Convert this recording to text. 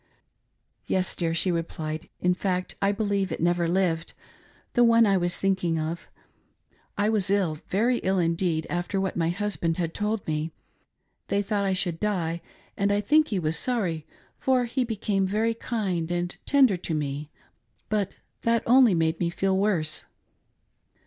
"Yes dear," she replied, "in fact I believe it never lived — the one I was thinking of. I was ill, very ill indeed, after what my husband had told me. They thought I should die, and I think he was sorry, for he became very kind and tender to me, but that only made me feel worse.